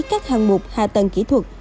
các hàng mục hạ tầng kỹ thuật